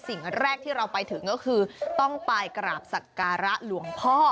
สิ่งแรกที่เราไปถึงก็คือต้องไปกราบสักการะหลวงพ่อ